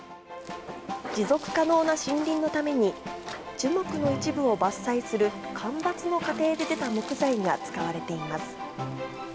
持続可能な森林のために、樹木の一部を伐採する間伐の過程で出た木材が使われています。